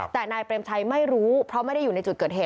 แต่นายเปรมชัยไม่รู้เพราะไม่ได้อยู่ในจุดเกิดเหตุ